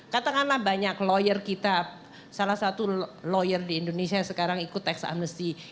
katakanlah banyak lawyer kita salah satu lawyer di indonesia yang sekarang ikut tax amnesty